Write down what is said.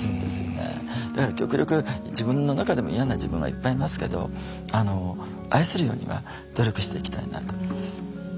だから極力自分の中でも嫌な自分はいっぱいいますけど愛するようには努力していきたいなと思います。